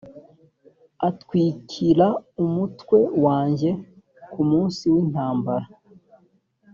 utwik ra umutwe wanjye ku munsi w intambara